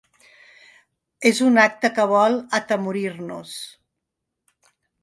És un acte que vol atemorir-nos.